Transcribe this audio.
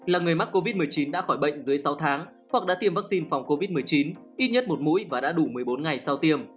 là người mắc covid một mươi chín đã khỏi bệnh dưới sáu tháng hoặc đã tiêm vaccine phòng covid một mươi chín ít nhất một mũi và đã đủ một mươi bốn ngày sau tiêm